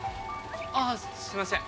ああすいません